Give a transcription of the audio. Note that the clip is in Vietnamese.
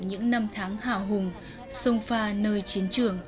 những năm tháng hào hùng sông pha nơi chiến trường